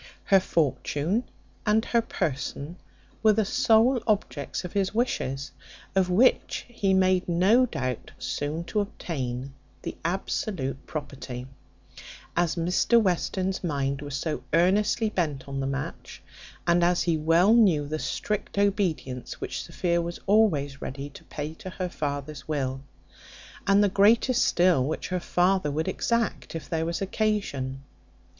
Her fortune and her person were the sole objects of his wishes, of which he made no doubt soon to obtain the absolute property; as Mr Western's mind was so earnestly bent on the match; and as he well knew the strict obedience which Sophia was always ready to pay to her father's will, and the greater still which her father would exact, if there was occasion.